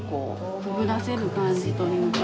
くぐらせる感じというか。